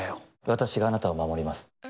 私があなたを守ります